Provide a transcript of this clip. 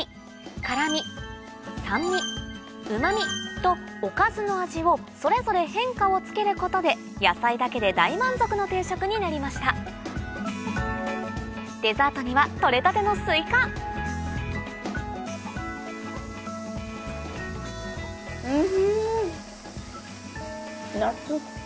とおかずの味をそれぞれ変化をつけることで野菜だけで大満足の定食になりましたデザートには採れたてのおいしい。